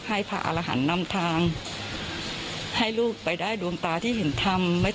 ให้พาอารหันต์นำทางให้ลูกไปได้ดวงตาที่เห็นทำไม่